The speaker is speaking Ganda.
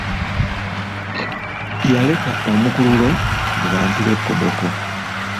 Yaleka omukululo mu bantu b'e Koboko.